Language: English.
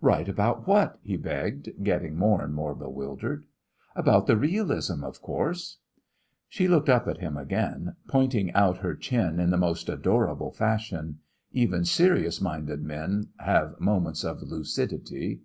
"Right about what?" he begged, getting more and more bewildered. "About the realism, of course." She looked up at him again, pointing out her chin in the most adorable fashion. Even serious minded men have moments of lucidity.